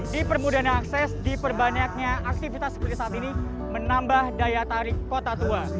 di permudahan akses diperbanyaknya aktivitas seperti saat ini menambah daya tarik kota tua